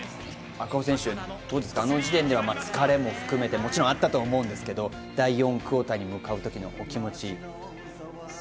赤穂選手、あの時点では疲れもあったと思うんですけれども、第４クオーターに向かう時のお気持ち。